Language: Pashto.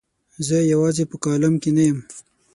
زه یوازې په کالم کې نه یم.